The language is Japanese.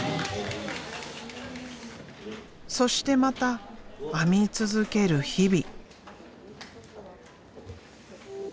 そしてまた編み続ける日々。